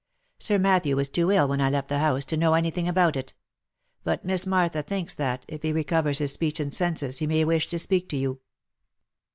Sir Matthew was too ill, when I left the house, to know any thing about it; but Miss Martha thinks that, if he recovers his speech and senses, he may wish to speak to you."